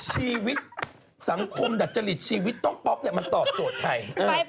ชีวิตสังคมดัดจริตชีวิตต้องป๊อปเนี่ยมันตอบโจทย์ใคร